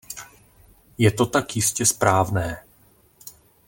Je to tak jistě správné.